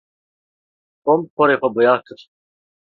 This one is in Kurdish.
Tom porê xwe boyax kir.